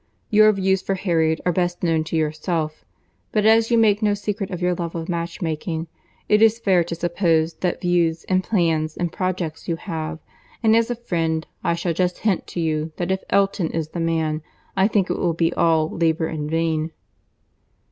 Your views for Harriet are best known to yourself; but as you make no secret of your love of match making, it is fair to suppose that views, and plans, and projects you have;—and as a friend I shall just hint to you that if Elton is the man, I think it will be all labour in vain."